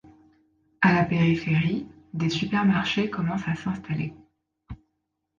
À la périphérie, des supermarchés commencent à s'installer.